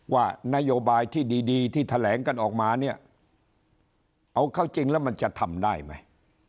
ว่านโยบายที่ดีที่แถลงกันออกมาเนี่ยเอาเข้าจริงแล้วมันจะทำได้ไหม